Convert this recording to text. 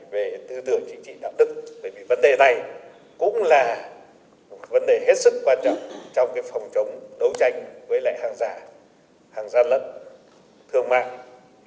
vấn đề này cũng là một vấn đề hết sức quan trọng trong phòng chống đấu tranh với hàng giả hàng gia lận thương mại